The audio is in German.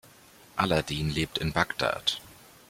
Aladin lebt in Bagdad.